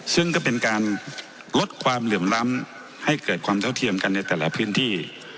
ซึ่งก็เป็นการลดความเหลื่อมล้ำให้เกิดความเท่าเทียมกันในแต่ละพื้นที่